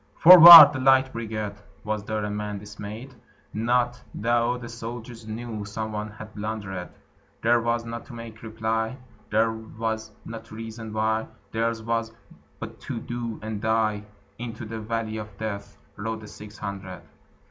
"Forward, the Light Brigade!" Was there a man dismayed? Not tho' the soldiers knew Someone had blundered: Theirs was not to make reply, Theirs was not to reason why, Theirs was but to do and die: Into the valley of Death Rode the six hundred.